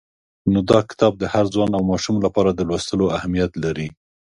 نو دا کتاب د هر ځوان او ماشوم لپاره د لوستلو اهمیت لري.